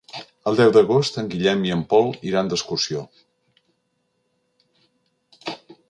El deu d'agost en Guillem i en Pol iran d'excursió.